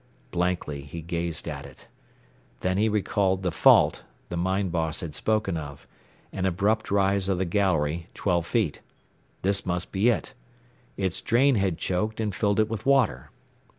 Blankly he gazed at it. Then he recalled the "fault" the mine boss had spoken of an abrupt rise of the gallery twelve feet. This must be it. Its drain had choked, and filled it with water.